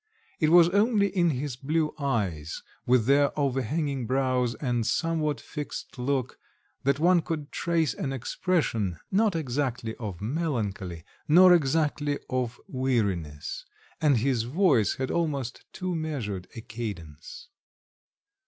It was only in his blue eyes, with their overhanging brows and somewhat fixed look, that one could trace an expression, not exactly of melancholy, nor exactly of weariness, and his voice had almost too measured a cadence.